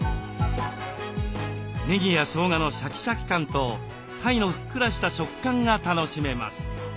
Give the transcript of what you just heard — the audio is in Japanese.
ねぎやしょうがのシャキシャキ感と鯛のふっくらした食感が楽しめます。